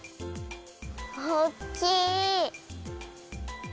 おっきい！